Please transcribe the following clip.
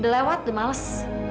udah lewat udah males